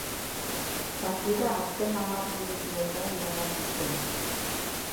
Partida azken hamar minutuetan erabaki zen.